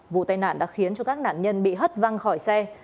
vụ tai nạn đã khiến cho các nạn nhân bị hất văng khỏi xe